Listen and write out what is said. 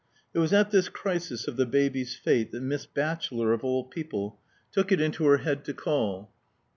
It was at this crisis of the baby's fate that Miss Batchelor, of all people, took it into her head to call.